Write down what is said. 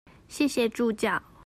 謝謝助教